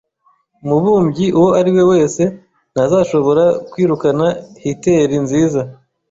Umubumbyi uwo ari we wese, ntazashobora kwirukana hitteri nziza